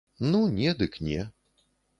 Ну, не, дык не.